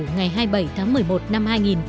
ngày hai mươi bảy tháng một mươi một năm hai nghìn chín